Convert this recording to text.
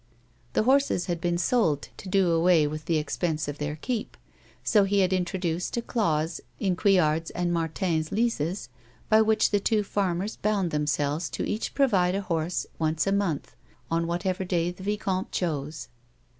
The horses had been sold to do away with the expense of their keep, so he had intro duced a clause in Couillard's and Martin's leases by which the two farmers bound themselves to each provide a horse once a month, on whatever day the vicomte chose.